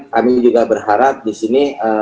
kami juga berharap disini